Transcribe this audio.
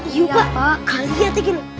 iya pak gak liatnya gini